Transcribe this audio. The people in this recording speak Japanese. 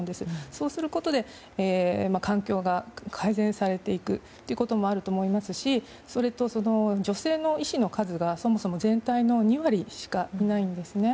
そうすることで、環境が改善されていくということもあると思いますしそれと、女性の医師の数がそもそも全体の２割しかいないんですね。